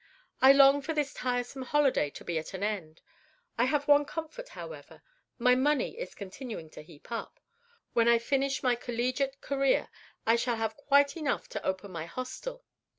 I long for this tiresome holiday to be at an end. I have one comfort, however; my money is continuing to heap up. When I finish my collegiate career, I shall have quite enough to open my hostel.